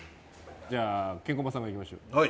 じゃあケンコバさんからいきましょう。